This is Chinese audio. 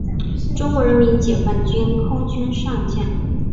中国人民解放军空军上将。